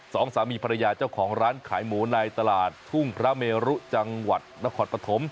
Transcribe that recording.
สองสามีภรรยาเจ้าของร้านขายหมูในตลาดทุ่งพระเมรุจังหวัดนครปฐม